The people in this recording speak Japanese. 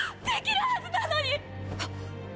できるはずなのに！！っ！！